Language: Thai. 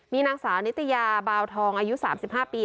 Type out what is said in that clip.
มีนางสาวนิตยาบาวทองอายุ๓๕ปี